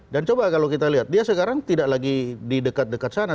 dan coba kalau kita lihat dia sekarang tidak lagi di dekat dekat sana